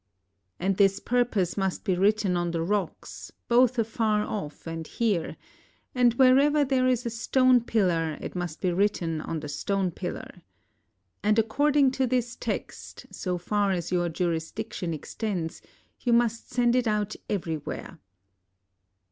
91 INDIA And this purpose must be written on the rocks, both afar off and here; and, wherever there is a stone pillar, it must be written on the stone pillar. And according to this text, so far as your jurisdiction extends, you must send it out ever}"where.